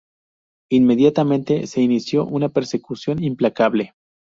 Inmediatamente se inició una persecución implacable.